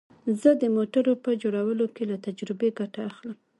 زه د موټرو په جوړولو کې له تجربې ګټه اخلم